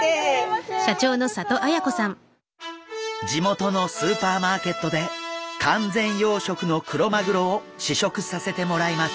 地元のスーパーマーケットで完全養殖のクロマグロを試食させてもらいます。